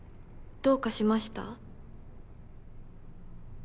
どうかしました？